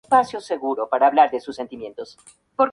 El hombre quedó impactado, sin habla.